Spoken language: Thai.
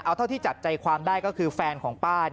เอาเท่าที่จับใจความได้ก็คือแฟนของป้า